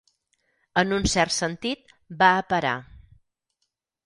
En un cert sentit, va a parar.